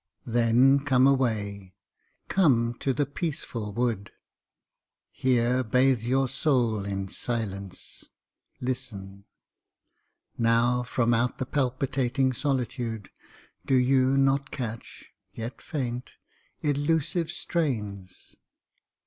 Then come away, come to the peaceful wood, Here bathe your soul in silence. Listen! Now, From out the palpitating solitude Do you not catch, yet faint, elusive strains?